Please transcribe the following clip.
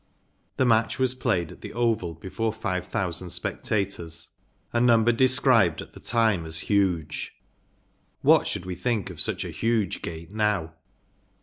The match was played at the Oval before 5,000 spectators, a number described at the time as huge. What should we think of such a huge gate now